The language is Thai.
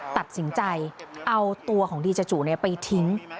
ตัดสินใจเอาตัวของดีเจจุไปทิ้ง